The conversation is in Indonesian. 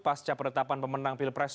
pasca perdetapan pemenang pilpres